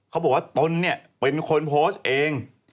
เขาบอกว่าตนเนี่ยเป็นคนโพสต์เอง